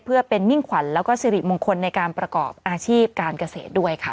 เพื่อเป็นมิ่งขวัญแล้วก็สิริมงคลในการประกอบอาชีพการเกษตรด้วยค่ะ